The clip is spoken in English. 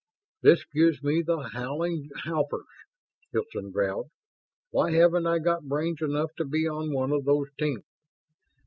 "This gives me the howling howpers!" Hilton growled. "Why haven't I got brains enough to be on one of those teams?"